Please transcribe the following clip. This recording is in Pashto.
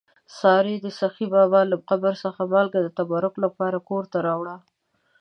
سارې د سخي بابا له قبر څخه مالګه د تبرک لپاره کور ته راوړله.